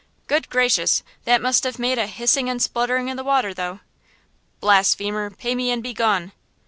Good gracious, that must have made a hissing and spluttering in the water, though!" "Blasphemer, pay me and begone!"